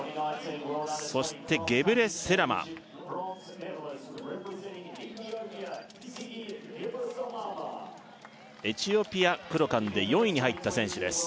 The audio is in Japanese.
そしてゲブレセラマエチオピアクロカンで４位に入った選手です